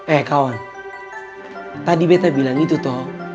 eh kawan tadi betta bilang gitu toh